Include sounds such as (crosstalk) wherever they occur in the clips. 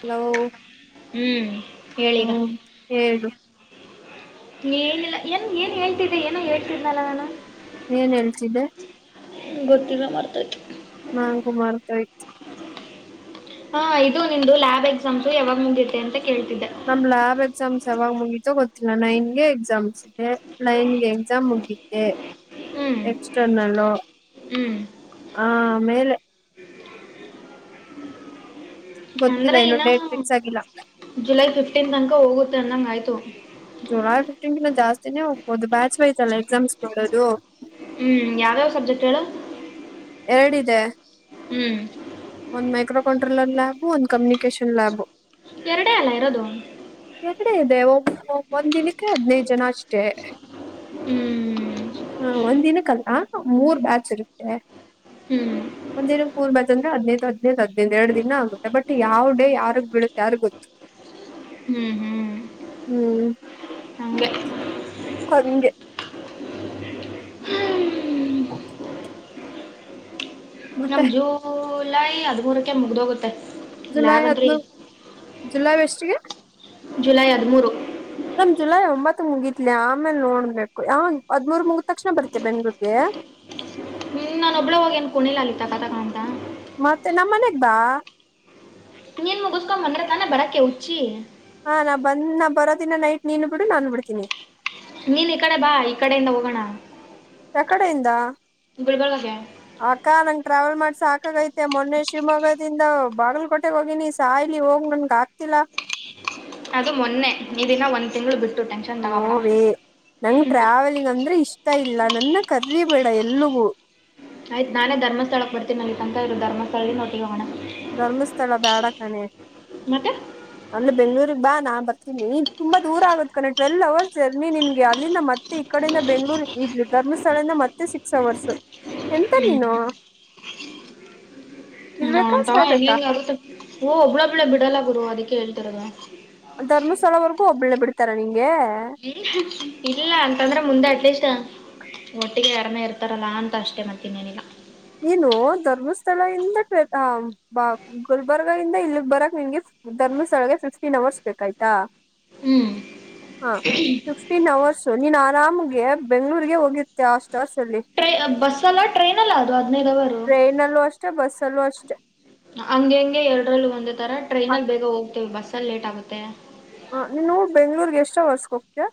Hello ಹ್ಮ್ ಹೇಳೀಗ ಹ್ಮ್ ಹೇಳು. ಏನಿಲ್ಲಾ ಏನ್ ಏನ್ ಹೇಳ್ತಿದ್ದೆ ಏನ ಹೇಳ್ತಿದನಲ್ಲ ನಾನು. ಏನ್ ಹೇಳ್ತಿದ್ದೆ ಗೊತ್ತಿಲ್ಲಾ ಮರತ್ತೊಯ್ತು. ನಾನಗು ಮರ್ತೊಯ್ತು. ಹಾ ಇದು ನಿಮ್ದು ಲ್ಯಾಬ್ ಎಕ್ಸಾಮ್ಸು ಯಾವಾಗ ಮುಗಿಯುತ್ತೆ ಅಂತ. ಕೇಳ್ತಿದ್ದೆ ನಮ್ ಲ್ಯಾಬ್ ಎಕ್ಸಾಮ್ಸ್. ಯಾವಾಗ ಮುಗೀತೋ ಗೊತ್ತಿಲ್ಲ ನೈನ್ಗೆ ಎಕ್ಸಾಮ್ಸ್ ಇದೆ. ನೈನ್ ಗೆ ಎಕ್ಸಾಮ್ ಮುಗಿ. ಗೆ. ಹ್ಮ್ ಎಕ್ಸ್ಟರ್ನಲ್ಲು. ಹ್ಮ್ ಆ ಮೇಲೆ. ಗೊತ್ತಿಲ್ಲ ಅಂದ್ರೆ ಇನ್ನು ಇನ್ನ ಡೇಟ್ ಫಿಕ್ಸ್ ಆಗಿಲ್ಲ ಜುಲೈ ಫಿಫ್ಟೀನ್ ತನಕ ಹೋಗ. ಅನ್ನಂಗ ಆಯ್ತು. ಜುಲೈ ಫಿಫ್ಟೀನ ಕಿನ್ ಜಾಸ್ತಿನೇ ಹೋಗ್ಬೋದು ಬ್ಯಾಚ್ ಬಯ್ತಲ್ಲ ಎಕ್ಸಾಮ್ಸ್ಗೆ ಮಾಡದು. ಹ್ಮ್ ಯಾವ್ಯಾವ್ ಸಬ್ಜೆಕ್ಟ್ಳ. ಎರಡಿದೆ. ಹ್ಮ್. ಒಂದ್ ಮೈಕ್ರೋ ಕಂಟ್ರೋಲರ್ ಲ್ಯಾಬು ಒಂದ್ ಕಮ್ಯುನಿಕೇಶನ್ ಲ್ಯಾಬು. ಎರಡೇ ಅಲ್ಲ ಇರೋದು. ಎರಡೆ ಇದೆ ಒ ಒಂದ್ ದಿನಕ್ಕೆ ಹದ್ನೈದ್ ಜನ ಅಷ್ಟೇ. ಹ್ಮ್ ಹ ಒಂದಿನಕ್ ಆ. ಮೂರ್ ಬ್ಯಾಚ್ ಇರುತ್ತೆ ಹ್ಮ್ ಒಂದಿನ ಕೂರ್ಬ ಅ ಹದ್ನೈದು ಹದ್ಿನೈದದು ಎರಡು ದಿನ ಆಗುತ್ತೆ ಬಟ್ ಯಾವ್ ಡೇ ಯಾರಿಗ್ ಬಿೀಡುತ್ತೆ ಯಾರ ಗೊತ್ತು ಹ್ಮ್ ಹ್ಮ್ ಹ್ಮ್ ಹಂಗೆ ಕೊಜ ಹ್ಮ್. ಹಓಕೆ ನಮ್ ಜೋ ಲೈ ಹದಮೂರಕ್ಕೆ ಮುಗ್ದೋಗುತ್ತೆ ಜುಲೈ ಲ್ಯಾಬ್ ಅಂದ್ರೆ ಹದಿಮೂರು ಜುಲೈ ವ (inaudible) ಜುಲೈ ಹದಿಮೂರು ಮಮ್ ಜುಲೈ ಒಂಬತ್ ಮುಗತ್ಲಿ ಆಮೇಲೆ ನೋಡ್ಬೇಕು ಯಾವ ಹದ್್ಮೂರ್ ಮುಗ ತಕ್ಷಣ ಬರ್ತಿ ಬೆಂಗ್ಳೂರ್ಗೆ ಒಬ್ಳವಾಗ ಏನ್ ಕುಣಿಿಲ್ಲ ಅಲಾ ಕತಕಾಣಂತ ಮತ್ತೆ ನಮ್ಮ ಮನೆಗ್ ಬಾ ನೀ ನೀಏನ್ ಮುಗಿಸಸ್ಕೊ್ ಬಂದ್ರ ತಾನೆ ಬರಾಕ್ಕೆ ಹುಚ್ಚಿ ಹಾ ನಾ ಬಂದ್ ನಾ ಬರೋ ದಿನ ನೈಟ್ ನೀನು ಬಿಡು ನಾನು ಬಿಡ್ತೀನಿ ನೀನ್ ಈ ಕಡೆ ಬಾ ಈ ಕಡೆಯಿಂದ ಹೋಗೋಣ ಕಡೆಯಿಂದ ಬ ಹಾಗೆ ಟ್ರಾವೆಲ್ ಮಾಡ್ಸ ಸಾಕಾಗೈತೆ ಮೊನ್ನೆ ಶಿವಮೊಗ್ಗದಿಂದ ಬಾಗಲಕೋಟೆೆಗೆ ಹೋಗಿನಿ ಸಾಯಲಿ ಹೋಗ್ ನನ್ಗ ಆಗ್ತಿಲ್ಲ ಅದು ಮೊನ್ನೆ ಇದನ್ನ ಒಂದ್ ತಿಂಗ್ಗಳು ಬಿಟ್ಟ ನೋೇ ನಂಗ ಟ್ರಾವೆಲಿಂಗ್ ಅಂದ್ರೆ ಇಷ್ಟ ಹತಾ ಇಲ್ಲ ನನ್ನ ಕರ್ರಿ ಬೇಡ ಎಲ್ಲಗೂ ಆಯ್ತ್ ನಾನೇ ಧರ್ಮಸ್ಥಳಕ್ ಬರ್ತನೆ ನಲ್ಲಿಂತಹ ಇ ಧರ್ಮಸ್ಥಳ ನೋಟ ಹೋಗೋಣ ಧರ್ಮಸ್ಥಳ ಬ್ಯಾಡ ಕಾನೆ ಮತ್ತೆ ಅಲ್ಲಿ ಬೆಂಗಗಳೂರು ಬಾ ನಾನ್ ಬರ್ತೀನಿ ಈಗ ತುಂಬಾ ದೂರ ಆಗದ ಕಣ ಟ್ವೆಲ್ವ್ ಅವರ್ಸ್ ಜರ್ನಿ ನಿಮ್ಗೆ ಅಲ್ಲಿಂದ ಮತ್ತೆ ಈ ಕಡೆಯಿಂದ ಬೆಂಗ್ಳೂರ್ ಇಡ್ ಧರ್ಮಸ್ಥಳಿಂದ ಮತ್ತೆ ಸಿಕ್ಸ್ ಅವರ್ಸ್ ಎಂತ ಹ್ಮ್ ನೀನು ಇರ್ಬೇಕಾ ಸಾಯ್ಬೇಕಾ ಹಂಗಂಗರುತ್ತೆ ಹ ಒಬ್ಬಳೊಬ್ಬಳೆ ಬಿಡಲ್ಲ ಬುರುವ ಅದಕ್ಕೆ ಕೇಳ್ತರದ ಧರ್ಸ್ಥಳವರೆಗೂ ಒಬ್ಬಳ್ಳೆ ಬಿಡ್ತಾರೆ ತರ ಇಲ್ಲ ಅಂತಂದ್ರೆ ಮುಂದೆ ಅಟ್ಲೀಸ್ಟ್ ಒಟ್ಟಿಗೆ ಯಾರಮೇ ಇರ್ತಾರಲ್ಲಾ ಅಂತ ಅಷ್ಟೇ ಮತ್ತ ಇನ್ನೇನಿಲ್ಲ ನು ಧರ್ಮಸ್ಥಳ ಇಂದ ಗುಲ್ಬರ್ಗ ಇಂದ ಇಲ್ಲಿಗ್ ಬರಕ್ ನಿಮ್ಗೆ ಧರ್ಮಸ್ಥಳಗೆ ಫಿಕ್ಸ್ಟೀನ್ ಅವರ್ಸ್ ಬೇಕಾಯ್ತಾ ಹ್ಮ್ ಹಾ ಫಿಫ್ಟೀನ್ ಅವರ್ಸು ನೀನ್ ಆರಾಮ್ಗೆ ಬೆಂಗ್ಳೂರ್ಗೆ ಹೋಗಿತ್ತೆ ಅಷ್ಟು ಅವರ್ಸ್ ಅಲ್ಲಿ ಬಸಲಟ್ ಟ್ರೈನ್ ಎಲ್ಲ ಅದು ಹದ್ಿನೈದವರು ಚಲೋ ಅಷ್ಟೇ ಹಂಗೆ ಹಂಗೆ ಎರಡರಲ್ಲಿೂ ಒಂದ ತರ ಟ್ರೈನ್ ಆ ಅಲ್ಲಿ ಬೇಗ ಹೋಗ್ತವೆ ಬಸ್ ಲೇಟ್ ಆಗುತ್ತೆ ಹ ನೀನು ಬೆಂಗ್ಳೂರ್ಗೆ ಎಷ್ಟ ಹೊರ್ಸ್ಕ ಹೋಗ್ತೀಯಾ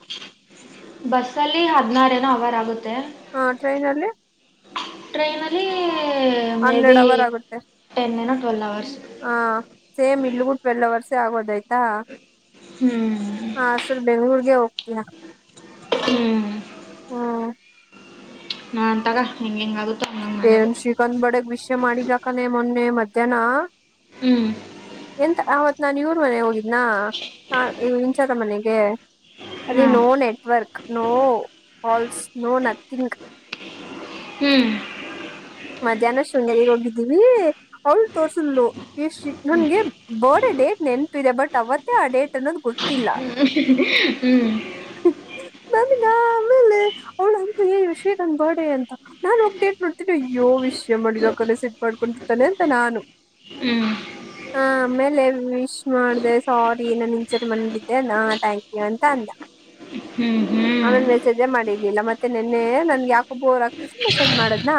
ಬಸ್ಲ್ಲಿ ಹದ್ಿನಾರ ನ ಅವರ್ ಆಗುತ್ತೆ ಹಾ ಟ್ರೈನಲ್ಲಿ ಟ್ರೈನ ಅಲ್ಲಿ ಹಂಡ್ರೆಡ್ ಅವರ್ ಆಗುತ್ತೆ ಟೆನ್ ಏನೋ ಟ್ವೆಲ್ ಅವರ್ಸ್ ಆ ಸೇಮ್ ಇಲ್ೂ ಟ್ವೆಲ್ವ ಅವರ್ಸ್ ಆೋದ್ ಹ್ಮ್ ಹ ಸರ್ ಬೆಂಗ್ಳೂರ್ಗೆ ಹೋಗ್ತಯ ಹ್ಮ್ ಹ್ಮ ನಾ ಅಂತಾಗ ಹೆಂಗ ಹೆಂಗ ಏನ್ ಶ್ರೀಕಾಂತ್ ಬಡಗ್ ವಿಷಯ ಮಾಡಿಲಾಕಾನೆ ಮೊನ್ನೆ ಮೆ ್ದನ ಹ್ಮ್ ಎಂತ ಆವ ನಾನ್ ಇೂ ಮನೆ ಹೋಗಿ ನಾ ಹ ಇವು ಇಂಚತ ಮನೆಗೆ ಹ ಹಾ ಅದ no network no all snow nothing ಹ್ಮ್ ಮಧ್ಯಾಹ್ನ ಶೃಂಗೇರಿ ಇರ ಹಿದ್ದೀವಿ ಅವಳು ತೋರ್ಸಲ್ಲು ಯಶ್ರೀ ನನ್ಗೆ ಬರ್ಡೇ ಡೇಟ್ ನೆನ್ ಇದೆ ಬಟ್ ಅವತ್ತೇ ಅಡೇಟ್ ಅನ್ನೋದು ಗೊತ್ತ ಹ ಹ್ಮ್ ನ ಆಮೇಲೆ ಅವಳ ಅಂತ ವಿಷೇಗನ್ ಬರ್ಡೇ ಅಂತ ನಾನು ಒೋಗ ಡೇಟ್ ನೋಡ್ತೀನಿ ಯ್ಯೋ ವಿಷಯ ಮಾಡಿದ ಕಲಸ ಇಟ್ ಮಾಡ್ಕೊಂಡಿರ್ತಾನೆ ಅಂತ ನಾನು ಹ್ಮ್ ಹಾ ಆಮೇಲೆ ವಿಶ್ ಮಾಡ್ದ ಸಾರಿ ನಾನ ಇಂಚರಿ ಮನಗಿದ್ದೆ ನ ಥ್ಯಾಂಕ್ ಯು ಅಂತ ಅಂದ ಹ್ಮ್ ಆಮೇನ್ ಮೆಸೇಜೇ ಮಾಡಿರ್ಲಿಲ್ಲ ಮತ್ತೆ ನಿೆನ್ನೆ ನನ್ಗೆ ಯಾಕೋ ಬೋರ್ ಆಗ್ತಿದ್ರ ಮೆಸೇಜ್ ಮಾಡದ್ನಾ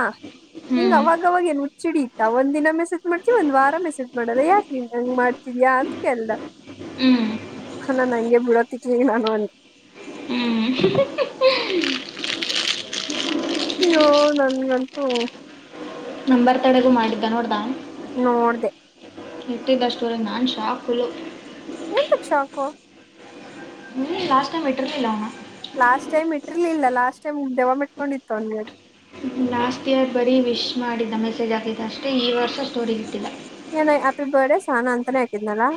ಹಂಗ ಹ್ಮ್ ಹ್ಮ್ ಅವಾಗವಾಗ ಏನ್ ಹಚ್ಚಿಡಿ ಇತ್ತಾ ಒಂದ್ಿನ ಮೆಸೇಜ್ ಮಾಡ್ತತಿವಿ ಒಂದ್ ವಾರ ಮೆಸೇಜ್ ಮಾಡದ ಯಾಕ ನೀನ್ ನಂಗ್ ಮಾಡ್ತಿದ್ಯಾ ಅಂತ ಕಲ್ಲ್ಲ ಹ್ಮ್ ನನ್ ಹಂಗೆ ಬಿಡತ್ತಕ್ ನಾನು ಒ ಹ್ಮ್ ಅೋ ನನ್ಗಂತೂ ನಂಬರ್ ತಡೆಗೂ ಮಾಡಿದ್ದ ನೋಡ್ದ ನೋಡ್್ದ ಎಟ್ಟಿದ್ದಷ್ಟುವರ ನಾನ್ ಶಾಕ್ಳ ಎಂತಕ್ ಶಾಕು ಲಾಸ್ಟ್ ಟಮ ಬಿಟ್ಟಿಲ್ಲ ಅವಾ ಲಾಸ್ಟ್ ಟೈಮ್ ಇರ್ಲಿಲ್ಲ ಲಾಸ್ಟ್ ಟೈಮ್ ದೆವ ಮೆಟ್ಕೊಂಡಿತ್ತು ಅವನ್ ಲಾಸ್ಟ್ ಇಯರ್ ಬರೀ ವಿಶ್ ಮಾಡಿದ್ದ ಮೆಸೇಜ್ ಹಾಕಿದ್ದ ಅಷ್ಟೇ ಈ ವರ್ಷ ಸೋರಿಗಿಟ್ಟಿಲ್ಲ ಏನ ಹ್ಯಾಪಿ ಬರ್ತ್ಡೇ ಸಾನ ಅಂತಾನೇ ಹಾಕಿದ್ನಲ್ಲಾ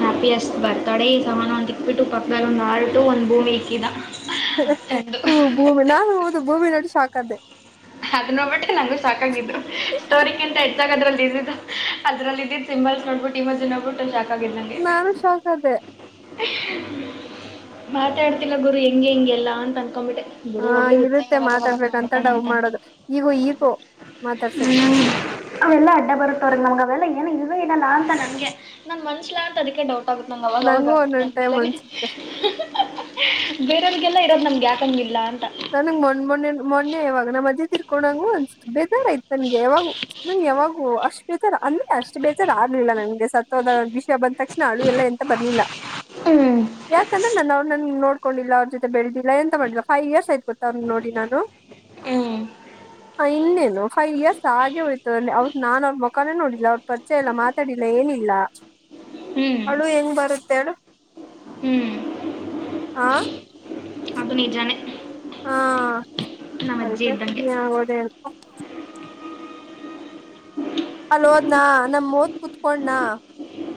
ಹ್ಯಾಪಿ ಅಷ್ಟ ಬರ್ತಾಡ ಈ ಸಮಾನ ಒಂದಿಕ್ಬಿಟ್ಟು ಪಕ್ಕದದಲ್ಲಿ ಒಂದು ಆರ್ಟು ಒಂದು ಭೂಮಿ ಇಕ್ಕಿದ ಚಂದು ಹ್ಮ ಗೂಮ ನಾ ಹದು ದು ಭೂಮಿ ನಡು ಸಾಕದೆ ಅದು ನೋಡ್ಬಿಟ್ಟು ದಲ್ಲಿ ಇದ ಅದಲ್ಲಿ ಇದ ಸಿಂಬಲ್ ನೋಡ್ಬಿಟ್ಟ ಈ ಮ್ ನೋಗ್ಬಿುತಿ ನಾನು ಶಾಕ್ ಅದೇ ಮಾತಾಡ್ತಿಲ್ಲ ಗುರು ಹೆಂಗೆ ಹೆಂಗೆಲ್ಲ ಅಂತ ಅನ್ಕೊಂಡ್ಂಬಿಟ್ಟೆ ಗುಡ ಹ ಹೋಗ್ಲಿ ಹಚ್ಚಾಗಿ ಇರುತ್ತೆ ಯಾವಾಗವಾಗ ಮಾತಾಡ್ಬೇಕಂತ ಮಾಡ್ತಾನೆ ಡವ್ ಅಂತಂತ ಮಾಡೋದು ಈಗೂ ಈಗೂ ಮಾತಾಡ್ಸಕ್ಕೆ ಹ್ಮ ಅವೆಲ್ಲಾ ಅಡ್ಡ ಬರುತ್ತ ಅವ್ರಿಗೆ ನಮ್ಗೆ ಅವೆಲ್ಲ ಏನು ಇವೇ ಇರಲ್ಲ ಅಂತ ನನ್ಗೆ ನನ್ ಮನ್ಸಲ ಅಂತ ಅದಕ್ಕೆ ಡೌಟ್ ತಗುತ್ತ ನಂಗೆ ನಂಗೂ ಅವಾಗವಾಗ ಒಂದೊಂದ್ ಟೈಮ್ ನಮೇಲೆ ಅನ್ಸುತ್ತೆ ಬೇರೆಯ್ರಿಗೆಲ್ಲ ಇರೋದ್ ನಮ್ಗೆ ಆಕಂಗಿಲ್ಲ ಅಂತ ನನ ಮೊ ಮೊೆ ಮೊನ್ನೆ ಇವಾಗ ನಮ್ಮ ಮ್ಜೆ ತಿರ್ ಕಕೋಂಗು ಬೇಜಾರ ಆಯ್ತು ನನ್ಗೆ ಯಾವಾಗು ನನ್ಗೆ ಯಾವಾಗೂ ಅಷ್ಟ್ ಬೇಜಾರ್ ಅಂದ್ರೆ ಅಷ್ಟ್ ಬೇಜಾರ್ ಆಗ್ಲಿಲ್ಲ ನನ್ಗೆ ಸತ್ವದ ವಿಷಯ ಬಂದ ತಕ್ಷಣ ಅಳು ಎಲ್ಲ ಎಂತ ಬರ್ಲಿಲ್ಲ ಹ್ಮ್ ಯಾಕಂದ್ರೆ ನಾನ ಅವ್ ನನ್ ನೋಡ್ ಕೊಂಡಿಲ್ಲ ಅವ್ರ ಜೊತೆಳೆದಿಲ್ಲ ಎಂತ ಮಾಡ ಫೈವ ಇಯರ್ಸ್ ಆಐು ನೋಡಿ ನು ಹ್ಮ್ ಇನ್ನೇನು ಫೈವ್ ಇಯರ್ಸ್ ಹಾಗೆ ಹೋಯ್ತು ಅವ ನಾನು ಅವ್ರ ಮುಖಾನೇ ನೋಡಿಲ್ಲ ಅವ್ರ ಪರಿಚಯ ಎಲ್ಲ ಮಾತಾಡಿಲ್ಲ ಏನಿಲ್ಲ ಹ್ಮ್ ಅವಳು ಹೆಂಗ್ ಬರುತ್ತೆ ಹ್ಮ್ ಅದು ನಿಜಾನೇ ಹಾ ನಮ್ಮ ಅರಿಕ ಅಜ್ಜಿ ಇದ್ದಂಗೆ ಸಮನ್ಯ ಓದ ಒಪ್ಪ ಅಲ್ೋದ್ನಾ ನಮ ಮೂತ್ ಕುೂತ್ಕೊಂಡನಾ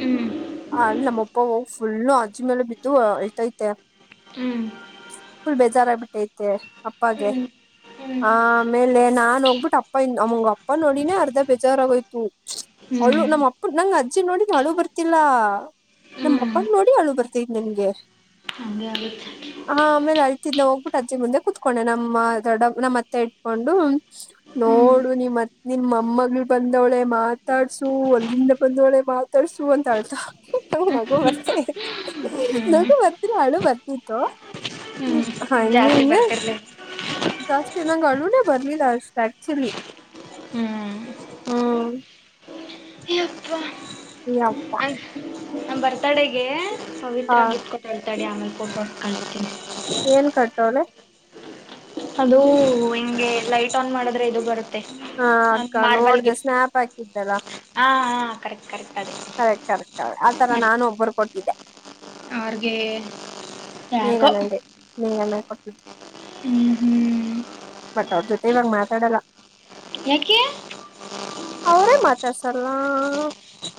ಹ್ಮ್ ಅ ಅಲ್ಲಿ ನಮ್ಮ ಅಪ್ಪ ಹೋಗ್ ಫುಲ್ಲು ಅಜ್ಜಿ ಮೇಲೆ ಬಿದ್ದು ಅಳ್ತೈತೆ ಹ್ಮ್ ಫುಲ್ ಬೇಜಾರ ಆಗ್ಬಿಟ್ಟೈತೆ ಅಪ್ಪಾಗ ಹ್ಮ್ ಹ್ಮ್ ಆಮೇಲೆ ನಾ ಹೋಗ್ಬಿಟ್ಟ ಅಪ್ಪಮಂಗ ಅಪ್ಪ ನೋಡಿನೇ ಅರ್ಧ ಬೇಜಾರಾಗೋಯ್ತು ಅವಳು ಹ್ಮ್ ನಮ್ಮ್ ಅಪ್ಪ ನಂಗ ಅಜ್ಜಿ ನೋಡಿನ ಹಳು ಬರ್ತ ಎಲ್ಲಾ ನಮ್ಮ ಹ್ಮ್ ಅಪ್ಪನ ನೋಡಿ ಅವಳು ಬರ್ತಿದ್ ನಿನ್ಗೆ ಅದ ಹಾ ಆಮೇಲೆ ಅಳ್ತಿದ್ದ ಹೋಗ್ಬಿಟ್ಟು ಅಜ್ಜಗ್ ಮುಂದೆ ಕುೂತ್ಕೊಂಡೆ ನಮ್ಮ ದೊಡ್ಡ ನಮ್ಮ್ತ್ತ ಇಟ್ಕೊಂಡು ಹ್ಮ್ ನೋಡು ನಿಮ್ತ್ ನಿಮ್ಮ ಅಮ್ಮಗ್ ಬಂದವಳೆ ಮಾತಾಡ್ಸು ಅಲ್ಲಿಂದ ಬಂದವಳೆ ಮಾತಾಡ್ಸು ಅ ಚಳ್ತ ಹ ನಗ ಬರ್ತ ಹ್ಮ್ ನಗು ಬರ್ತಿ ಹಡುು ವರ್ತಿೀತ್ತು ್ಮ ಹ್ಮ್ ಹ ಜಾಸ್ತಿ ಇನ ಬರ್ತಿರ್ಲಿ ದಷ್ಟತಿ ನಂಗಗೆ ಅಳೂನ ಬರ್ಲಿಲ್ಲ ಅಷ್ಟು ಆಕ್ಚುಲಿ ಹ್ಮ್ ಹ್ಮ್ ಯಪ್ಪ ಇತ ನ ಬರ್ತಾಡೆಗೆ ಹಾ ಸವತ್ರಾ ಗೀತ್ ಕೊತು ತಡಿ ಆಮೇಲೆ ಫೋಟೋ ಒಡೆದು ಕಳಿಸುತೀನಿ ಏನ್ ಕಟ್ಟೋಳೆ. ಅದು ಹಿಂಗೆ ಲೈಟ್ ಆನ್ ಮಾಡಿದ್ರೆ ಇದು ಬರುತ್ತೆ. ಹಾ ಅಕ್ಕ ಮಾರ್ಬಲ್ ನೋಡ್ದೆ ಗಿಫ್ಟ್ ಸ್ನ್ಯಾಪ್ ಹಾಕಿದ್ದಲ್ಲ ಹಾ ಹಾ ಕರೆಕ್ಟ್ ಕರೆಕ್ಟ್ ಅದೇ ಕರೆಕ್ಟ್ ಕರೆಕ್ಟ್ ಆತರ ನಾನು ಒಬ್ಬರು ಕೊಟ್ಟ. ಈಗ ಅವರಗೆ (unintelligible) (inaudible) ಹ್ಮ್ ಹ್ಮ್ ಬಟ್ ಅವ್ರ ಜೊತೆ ಇವಾಗ ಮಾತಾಡಲ್ಲ. ಯಾಕೆ ಅವರೇ ಮಾತಾಡ್ಸಲ್ಲ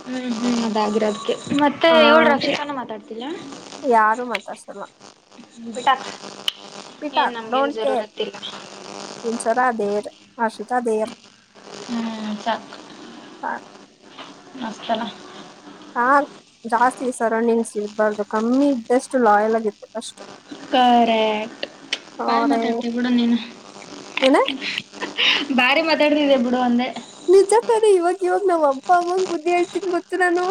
ಹ್ಮ್ ಹ್ಮ್ ಅದಾಗಿರದಕ್ಕೆ ಮತ್ತೆ ಆ ಇವಳು ರಕ್ಷಿತನು ಮಾತಾಡುತ್ತಿಲ್ಲ. ಇಲ್ಲ ಯಾರು ಮಾತಾಡ್ಸಲ್ಲ. ಬಿಟ್ಟಾಕು ಬಿಟಾಕ್ ಡೋಂಟ್ ಕೇರ್ (unintelligible) (unintelligible) ಹ್ಮ್ ಸಾಕು (unintelligible) ಹಾ ಜಾಸ್ತಿ ಸರೌಂಡಿಂಗ್ಸ್ ಇರಬಾರ್ದು ಕಮ್ಮಿ ಇದ್ದಷ್ಟು ಲಾಯಲ್ ಇರಬೇಕು ಅಷ್ಟೆ ಕರೆಕ್ಟ್ ಬಾರಿ ಅವರೇ ಮಾತಾಡುತೀಯ ಬಿಡು ನೀನು ಏನ ಬಾರಿ ಮಾತಾಡುತೀಯ ಬಿಡು ಅಂದೆ ನಿಜ ತಾನೆ ಇವಾಗ ಇವಾಗ ನಮ್ಮ ಅಪ್ಪ ಅವಂಗ ಬುದಿ ಹೇಳ್ತೀನಿ ಗೊತ್ತ ನಾನು.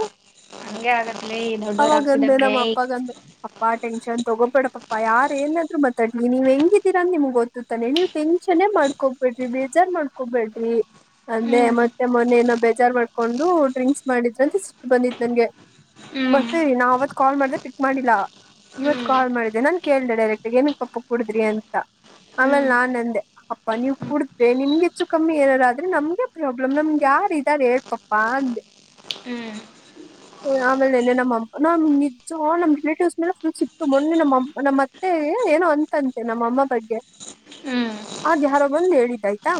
(unintelligible) ದೊಡ್ಡೋರ್ ಅವಾಗಂದೆ ಆಗ್ತಿದ್ದಂಗೆ ನಮ್ಮ ಅಪ್ಪಾಗಂದೆ ಅಪ್ಪ ಟೆನ್ಶನ್ ತಗೋಬೇಡ ಪಪ್ಪಾ ಯಾರ ಏನಾದ್ರು ಮಾತಾಡ್ಲಿ ನೀವ್ ಹೆಂಗಿದೀರ ಅಂತ ನಿಮ್ಗ್ ಗೊತ್ತತಾನೆ ನೀವ್ ಟೆನ್ಶನ್ ಮಾಡ್ಕೊಬೇಡ್ರಿ ಬೇಜಾರ್ ಮಾಡ್ಕೊಬೇಡ್ರಿ ಅಂದೆ ಹ್ಮ್ ಮತ್ತೆ ಮೊನ್ನೆ ಏನೋ ಬೇಜಾರ್ ಮಾಡ್ಕೊಂಡು ಡ್ರಿಂಕ್ಸ್ ಮಾಡಿದ್ರಿ ಅಂತ ಬಂದಿದ್ ನನ್ಗೆ ಹ್ಮ್ ಬರ್ತೇರಿ ನಾ ಅವತ್ ಕಾಲ್ ಮಾಡ್ದೆ ಫಿಕ್ ಮಾಡಿಲ್ಲ ಇವತ್ ಹ್ಮ್ ಕಾಲ್ ಮಾಡಿದೆೆ ನನ್ ಕೇಳ್ದೆ ಡೈರೆಕ್ಟ್ ಏನುಕ್ಕೆ ಪಪ್ಪ ಕುಡುದ್ರಿ ಅಂತ ಆಮೇಲೆ ಅಯ್ಯಪ್ಪ ನಾನ್ ಅಂದೆ ಅಪ್ಪಾ ನೀವ್ ಕುಡ್ದೆ ನಿಮ್ಗೆ ಹೆಚ್ಚು ಕಮ್ಮಿ ಏನಾರ ಆದ್ರೆ ನಮ್ಗೆ ಪ್ರಾಬ್ಲಮ್ ನಮ್ಗೆ ಯಾರ ಇದಾರ ಹೇಳ್ಪಪ್ಪಾ ಅಂದೆ ಆಮೇಲೆೆ ನಮ್ಮ ನಿಜ ನಮ್ಮ್ ರಿಲೇಟಿವ್ಸ್ ಮೇಲೆ ಫುಲ್ ಸಿಟ್ಟು ಮೊನ್ನೆ ನಮ್ಮಮ್ಮ ನಮ್ಮತ್ತೆ ಏನೋ ಅಂತಂತೆ ನಮ್ಮಅಮ್ಮ ಬಗ್ಗೆ ಅದು ಯಾರೊ ಬಂದ್ ಹೇಳಿದಾಯ್ತಾ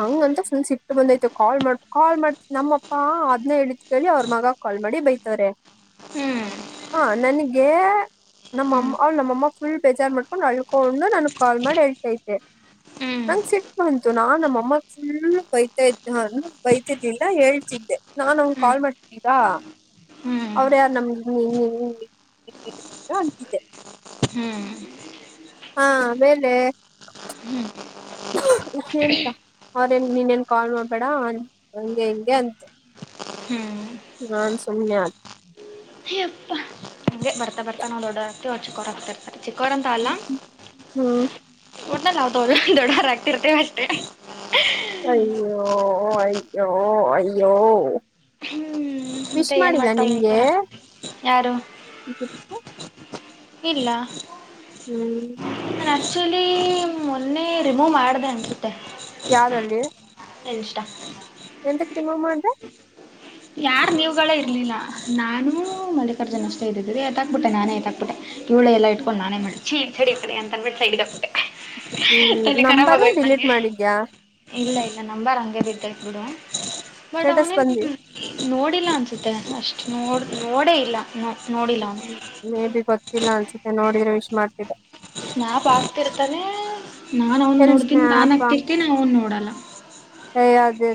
ಹಂಗಂತ ಫುಲ್ ಸಿಟ್ಟು ಬಂದ್ತು ಕಾಲ್ ಮಾಡ್ ಕಾಲ್ ಮಾಡ್ತ ನಮ್ಮಪ್ಪಾ ಅದ್ನೇ ಹೇಳಿದ ಕೇಳಿ ಅವ್ರ ಮಗ ಕಾಲ್ ಮಾಡಿ ಬೈತವಾರೆ ಹ ನನ್ಗೆ ನಮ್ಮ ಅಮ್ಮ ನಮ್ಮಅಮ್ಮ ಫುಲ್ ಬೇಜಾರ್ ಮಾಡಕೊಂಡು ಅಳ್ಕೊಂಡು ನನ್ ಕಾಲ್ ಮಾಡಿ ಹೇಳತಯ್ತೆ ನನಗೆ ಸಿಟ್ಟು ಬಂತು ನಮ್ಮಮ್ಮ ಫುಲ್ ಬೈತ ಬೈತಿದಿಂದ ಹೇಳ್ತಿದ್ದೆ ನಾನ್ ಕಾಲ್ ಮಾಡ ಅವ್ರ ಯಾರ (unintelligible) ಅಂತಿದ್ದೆ ಹ್ಮ್ ಹಾ ಆಮೇಲೆ ಎಂತ ಅವ್ರೇನ್ ನೀನ್ನೇನ್ ಕಾಲ್ ಮಾಡ್ಬೇಡ ಹಂಗೆ ಹಿಂಗೆ ಅಂತ ನಾನ್ ಸುಮ್ನೆ ಆದೇ ಬರ್ತಾ ಬರ್ತಾ ನಾವು ದೊಡ್ಡೋರ್ ಹಾಕ್ತಿವಿ ಅವರ ಚಿಕ್ಕವರಆಗುತೆತಾರೆ ಚಿಕ್ಕೋವರಂತಲ್ಲ ಹ್ಮ್ ಒಟ್ನಲ್ಲಿ ನಾವು ದೊಡ್ಡವರ ಆಗ್ತಿರ್ತೇವೆ ಅಷ್ಟೇ ಅಯ್ಯೋ ಅಯ್ಯೋ ಅಯ್ಯೋ ಹ್ಮ್ ವಿಶ್ ಮತ್ತೆ ಏನ್ ಮಾಡಿಲ್ಲ ಮಾಡ್ತಾ ನಿನ್ಗೆ (unintelligible) ಯಾರು ಇಲ್ಲ ಹ್ಮ್ ನಾನ ಆ್ಯಕ್ಚುಲಿ ಮೊನ್ನೆ ರಿಮೂವ್ ಮಾಡ್ದಂಿ ಯಾರಲ್ಲಿ (unintelligible) (inaudible) ಸ್ಟಾ ಎ ಕ್ರಮಮ್ಮ ಅಂದ ಯಾರು ನೀವುಗಳೇ ಇರ್ಲಿಲ್ಲ ನಾನು ಮಲ್ಲಿಕಾರ್ಜುನ ಅಷ್ಟೇ ಇದ್ದಿದ್ದೆ ಎತಾಕ್ಬಿಟ್ಟೆ ನಾನೇ ಎತ್ತಾಕ್ಬಿಟ್ಟೆ ಕೂಳ ಎ ಇಟ್ಕೊಂಡುಾನೇ ಮಾಡಿ ಚೀಲ್ ಡಿ ಅಂತ ಅಂಬಿಟ್ ಸೈಡ್ಡು (inaudible) ಹ್ಮ್ ತಲಕರ ನಂಬರ್ ಹಗೋಯ್ತ ಡಿಲೀಟ್ ನಂಗೆ ಮಾಡಿದ್ಯಾ ಇಲ್ಲ ಇಲ್ಲ ನಂಬರ್ ಹಂಗೆ ಬಿ (unintelligible) ಬಡ ಸ್ಟೇಟಸ್ ಬಂದಿ ನೋಡಿಲ್ಲ ಅನ್ಸುತ್ತೆ ಅಷ್ಟು ನೋಡ್ ನೋಡೇ ಇಲ್ಲ ನೋಡಿಲ್ಲ ಅವನು (unintelligible) ಮ ಬಿ ಬತ್ತ ಲಾ ತೆ ನೋಡಿದ್ರೆ ವಿಶ್ ಮಾಡ್ತಿದ್ದ ಸ್ನಾಪ್ ಆಗ್ತಿರ್ತಾನೆ ನಾನ್ ಅವನ್ ಎಲ್ ನೋಡ್ತೀನಿ ನಾ ಸ್ನ್ಯಾಪ ಆಗ್ತಿರ್ತೀನಿ ಅವನ್ ನೋಡಲ್ಲ ಇದೇ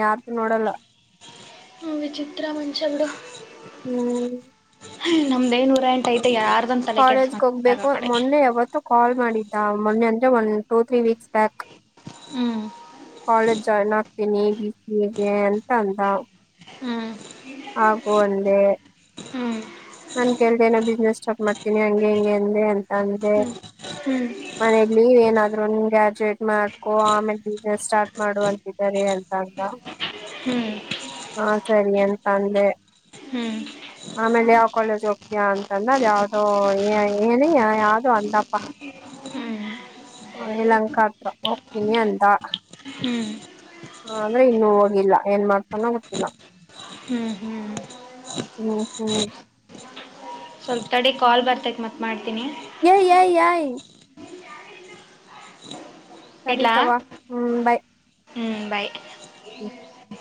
ಯಾರದು ನೋಡಲ್ಲ ವಿಚಿತ್ರಾ ಮನ್ಸ ಬಿಡು ಹ್ಮ್ ಹ ನಮ್ದೇ ನೂ ಎಂಟೈಐ ಕಾಲೇಜ್ಗೆ ಹೋಗ್ಬೇಕು ಮೊನ್ನೆ ಯಾವತ್ತು ಕಾಲ್ ಮಾಡಿ ಮೊನ್ನೆ ಅಂದೆ one two three weeks back ಹ್ಮ್ ಕಾಲೇಜ್ ಜಾಯ್ನ್ ಆಗ್ತೀನಿ ಬಿ ಸಿಗೆ ಅಂತ ಅಂದ ಹ್ಞೂ ಹಾಗು ಅಂದೇ ಹ್ಞೂ ಬಿಸ್ನೆಸ್ ಸ್ಟಾರ್ಟ್ ಮಾಡ್ತೀನಿ ಹಂಗೆ ಹಂಗಗೆ ಅಂದೆ ಅಂತ ಅಂದೆ ಮನ ಲೀವ್ ಏನಾದ್ರು ಗ್ರಾಜುಯೇಟ್ ಮಾಡ್ಕೊ ಆಮೇಲೆ ಬಿಸ್ನೆಸ್ ಸ್ಟಾರ್ಟ್ ಮಾಡು ಅಂತಿದ್ದಾರೆ ಅಂತ ಅಂದ ಹ ಸರಿ ಅಂತ ಅಂದೆ ಆಮೇಲೆ ಯ ಕಾಲೇಜ್ ಹೋಗ್ತೀಯಾ ಅಂತಂದ್ರ ಅದ ಯಾವ್ದೋ ಏನ ಯಾವ್ದೋ ಅಂದಪ ಸ್ವಲ್ಪ ಏಲಂಕತ್ರ ಹೋಗ್ತೀನಿ ಅಂತ ಅಂದ್ರೆ ಇನ್ನುೂ ಹೋಗಿಲ್ಲ ಏನ್ ಮಾಡ್ತಾನೋ ಗೊತ್ತಿಲ್ಲ ಹ್ಮ್ ಹ್ಮ್ ಸ್ವಲ್ಪ ತಡೆ ಕಾಲ್ ಬರ್ತಕ್ ಮತ್ ಮಾಡ್ತೀನಿ ಯ ಯ ಯಾ ಸರಿ ಇಡ್ಲಾ ತಗೋ ಹ್ಮ್ ಬೈ ಹ್ಞೂ ಬಾಯ್ ಹ್ಮ (inaudible)